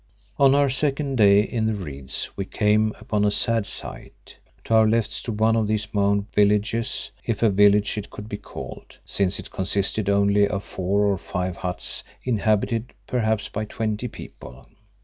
On our second day in the reeds we came upon a sad sight. To our left stood one of these mound villages, if a village it could be called, since it consisted only of four or five huts inhabited perhaps by twenty people.